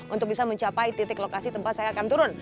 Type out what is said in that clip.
untuk bisa mencapai titik lokasi tempat saya akan turun